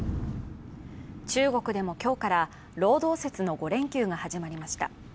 中国でも今日から労働節の５連休が始まりました。